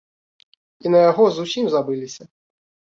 І на яго зусім забыліся.